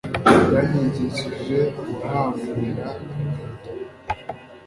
yanyigishije guhambira inkweto